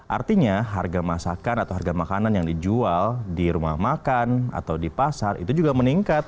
artinya harga masakan atau harga makanan yang dijual di rumah makan atau di pasar itu juga meningkat